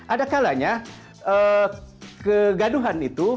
ada kalanya kegaduhan itu